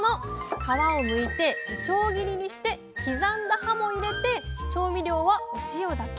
皮をむいていちょう切りにして刻んだ葉も入れて調味料はお塩だけ。